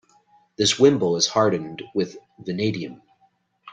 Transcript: This wimble is hardened with vanadium.